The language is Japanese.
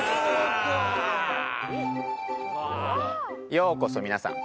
ようこそ皆さん。